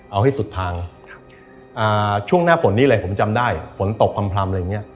เอาให้สุดทางช่วงหน้าฝนนี้เลยผมจำได้ฝนตกพร่ำอะไรอย่างนี้